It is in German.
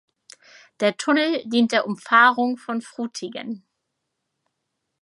Der Tunnel dient der Umfahrung von Frutigen.